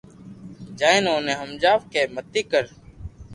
جائين اوني ھمجاوُ ڪي متي ڪر